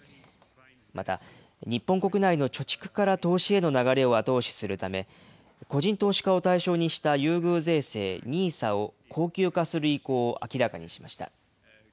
また、日本国内の貯蓄から投資への流れを後押しするため、個人投資家を対象にした優遇税制、ＮＩＳＡを恒久化する意向を明らかにしました。